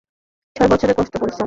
ছয় বছরের কঠোর পরিশ্রম!